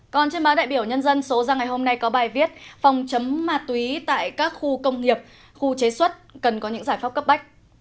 còn trên báo đại biểu nhân dân số ra ngày hôm nay có bài viết phòng chống ma túy tại các khu công nghiệp khu chế xuất cần có những giải pháp cấp bách